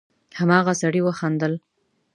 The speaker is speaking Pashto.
هماغه سړي وخندل: